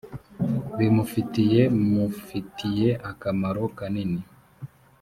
bimufitiye mufitiye akamaro kanini.